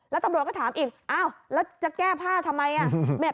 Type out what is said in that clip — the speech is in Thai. แล้วตำรวจก็ถามอีกอ้าวแล้วจะแก้ผ้าทำไมอ่ะ